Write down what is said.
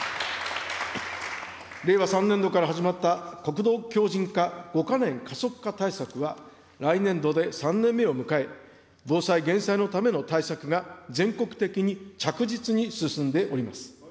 令和３年度から始まった国土強じん化５か年加速化対策は、来年度で３年目を迎え、防災・減災のための対策が全国的に着実に進んでおります。